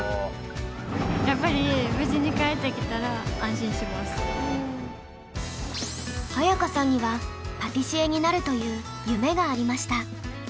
やっぱり綾華さんにはパティシエになるという夢がありました。